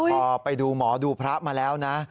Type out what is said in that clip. พอไปดูหมอดูพระมาแล้วนะ